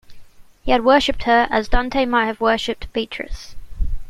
He had worshiped her, as Dante might have worshiped Beatrice.